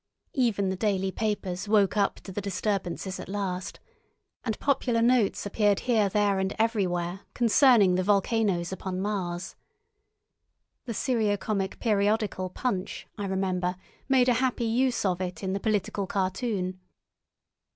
Even the daily papers woke up to the disturbances at last, and popular notes appeared here, there, and everywhere concerning the volcanoes upon Mars. The seriocomic periodical Punch, I remember, made a happy use of it in the political cartoon.